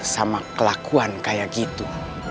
sama kelakuan kayak gitu